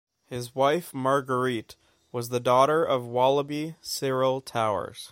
His wife Margariete was the daughter of Wallaby Cyril Towers.